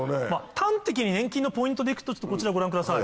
端的に粘菌のポイントで行くとこちらご覧ください。